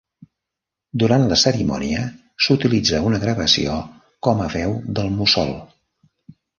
Durant la cerimònia, s'utilitza una gravació com a veu del Mussol.